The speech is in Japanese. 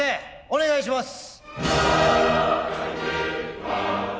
お願いします。